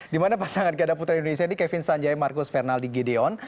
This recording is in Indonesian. dimana pasangan ganda putra indonesia ini kevin sanjaya marcus fernaldi gideon